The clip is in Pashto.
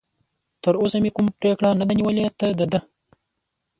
تراوسه مې کوم پرېکړه نه ده نیولې، ته د ده.